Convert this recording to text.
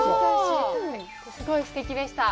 すごいすてきでした。